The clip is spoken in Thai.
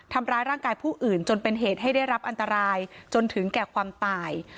ทำร้ายร่างกายผู้อื่นจนเป็นเหตุให้ได้รับอันตรายจนถึงแก่ความตาย